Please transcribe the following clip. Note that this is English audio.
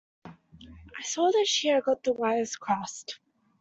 I saw that she had got the wires crossed.